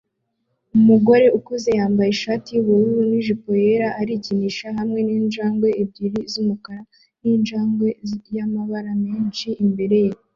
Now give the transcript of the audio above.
Umugore ukuze wambaye ishati yubururu nijipo yera arikinisha hamwe ninjangwe ebyiri z'umukara ninjangwe y'amabara menshi imbere ye